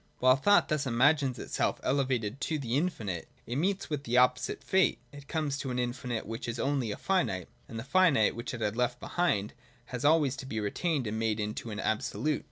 While thought thus imagines itself elevated to the infinite, it meets with the opposite fate : it comes to an infinite which is only a finite, and the finite, which it had left behind, has always to be retained and made into an absolute.